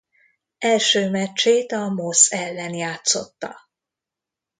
Első meccsét a Moss ellen játszotta.